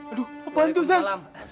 aduh apaan tuh sas